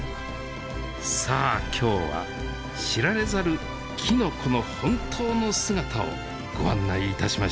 さあ今日は知られざるきのこの本当の姿をご案内いたしましょう。